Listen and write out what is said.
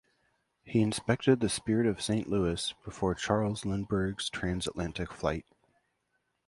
He inspected the Spirit of Saint Louis before Charles Lindbergh's trans-Atlantic flight.